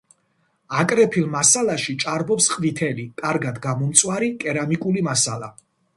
აკრეფილ მასალაში ჭარბობს ყვითელი, კარგად გამომწვარი კერამიკული მასალა.